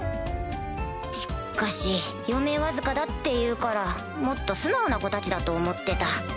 しっかし余命わずかだっていうからもっと素直な子たちだと思ってた